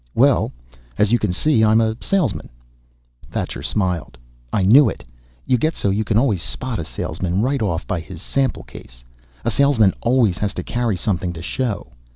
"Well, as you can see, I'm a salesman." Thacher smiled. "I knew it! You get so you can always spot a salesman right off by his sample case. A salesman always has to carry something to show.